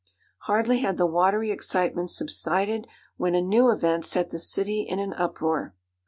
Hardly had the watery excitement subsided when a new event set the city in an uproar.